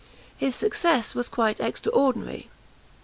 His success was quite extraordinary.